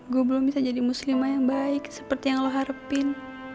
gue belum bisa jadi muslimah yang baik seperti yang lo harapin